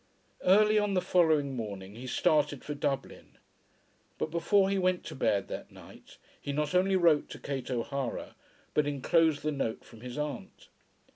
Early on the following morning he started for Dublin, but before he went to bed that night he not only wrote to Kate O'Hara, but enclosed the note from his aunt.